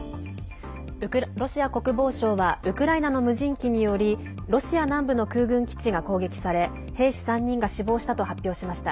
ロシア国防省はウクライナの無人機によりロシア南部の空軍基地が攻撃され兵士３人が死亡したと発表しました。